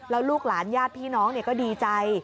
แล้วลูกหลานญาติพี่น้องก็ดีใจ